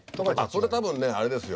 それ多分ねあれですよ